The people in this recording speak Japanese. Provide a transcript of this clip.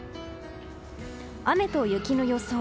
雨と雪の予想。